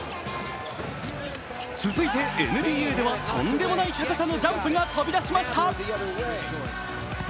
続いてＮＢＡではとんでもない高さのジャンプが飛び出しました。